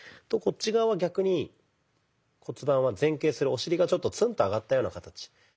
こっち側は逆に骨盤は前傾するお尻がちょっとツンと上がったような形。